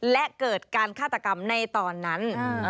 และเกิดการฆาตกรรมในตอนนั้น